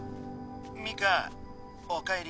・ミカおかえり。